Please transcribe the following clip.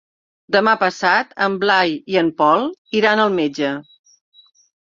Demà passat en Blai i en Pol iran al metge.